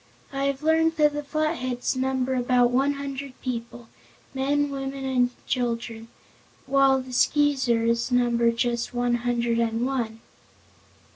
I have learned that the Flatheads number about one hundred people men, women and children while the Skeezers number just one hundred and one."